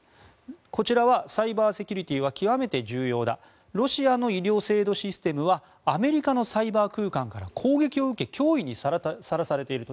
こちらはサイバーセキュリティーは極めて重要だロシアの医療制度システムはアメリカのサイバー空間から攻撃を受け脅威にさらされていると。